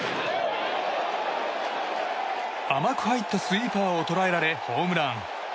甘く入ったスイーパーを捉えられホームラン。